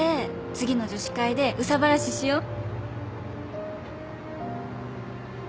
次の女子会で憂さ晴らししよう」。